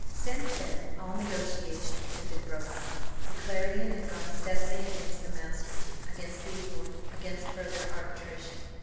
Since then all negotiations had been broken off. The Clarion had gone steadily against the masters, against the award, against further arbitration.